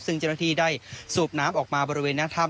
ซึ่งเจ้าหน้าที่ได้สูบน้ำออกมาบริเวณหน้าถ้ำ